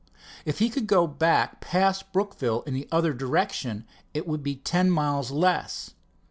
If he could go back past Brookville in the other direction it would be ten miles less.